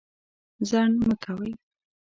ځنډ مه کوئ.